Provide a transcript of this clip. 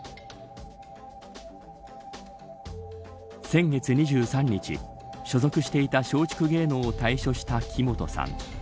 先月２３日所属していた松竹芸能を退所した木本さん。